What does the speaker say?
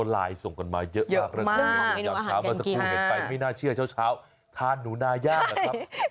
ไลน์ส่งกันมาเยอะมากไม่น่าเชื่อเช้าทานหนูนาย่างเหรอครับ